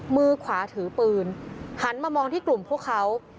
มือขวาถือปืนหันมามองที่กลุ่มพวกเขา